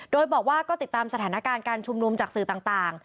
โดยบอกว่าก็ติดตามสถานการณ์การชุมนุมจากสื่อต่าง